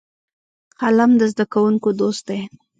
قلم د زده کوونکو دوست دی